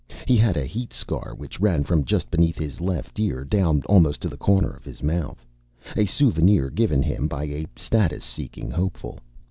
He had a heat scar which ran from just beneath his left ear down almost to the corner of his mouth, a souvenir given him by a status seeking hopeful.